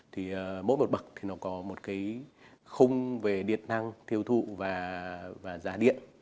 thì mỗi một bậc thì nó có một cái khung về điện năng tiêu thụ và giá điện